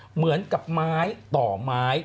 เหมือนกับไม้ต่อไม้